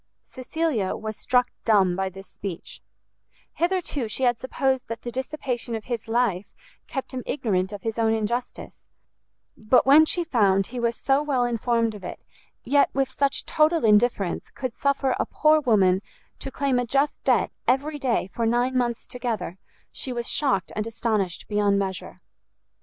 Cecilia was struck dumb by this speech: hitherto she had supposed that the dissipation of his life kept him ignorant of his own injustice; but when she found he was so well informed of it, yet, with such total indifference, could suffer a poor woman to claim a just debt every day for nine months together, she was shocked and astonished beyond measure.